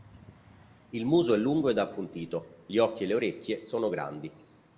Il muso è lungo ed appuntito, gli occhi e le orecchie sono grandi.